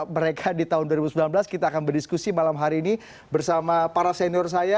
mereka di tahun dua ribu sembilan belas kita akan berdiskusi malam hari ini bersama para senior saya